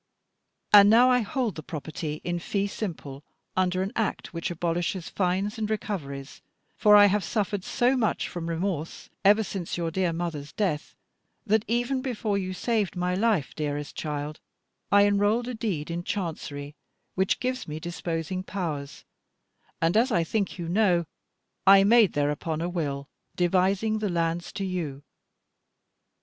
And now I hold the property in fee simple, under an Act which abolishes fines and recoveries; for I have suffered so much from remorse, ever since your dear mother's death, that even before you saved my life, dearest child, I enrolled a deed in Chancery, which gives me disposing powers; and as I think you know, I made thereupon a will devising the lands to you.